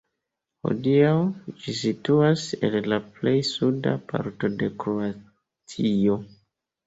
Hodiaŭ ĝi situas en la plej suda parto de Kroatio.